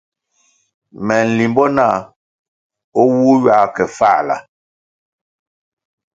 Me limbo nah o wu ywa ke Fāla.